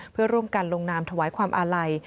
เพื่อร่วมกันลงนามถวายความอาลัย